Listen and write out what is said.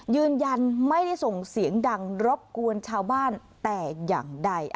ยืนยันไม่ได้ส่งเสียงดังรบกวนชาวบ้านแต่อย่างใด